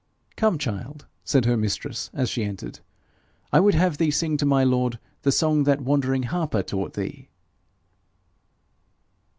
'Come, child,' said her mistress as she entered, 'I would have thee sing to my lord the song that wandering harper taught thee.'